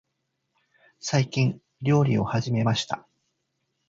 最近、料理を始めました。